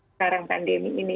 sekarang pandemi ini